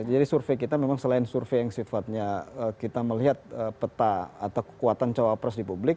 jadi survei kita memang selain survei yang sifatnya kita melihat peta atau kekuatan cawapres di publik